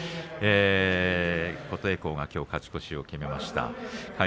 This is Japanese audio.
琴恵光きょう勝ち越しを決めました。